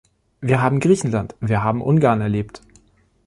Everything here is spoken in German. Wir haben Griechenland, wir haben Ungarn erlebt.